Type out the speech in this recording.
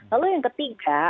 lalu yang ketiga